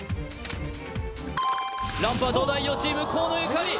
ランプは東大王チーム河野ゆかり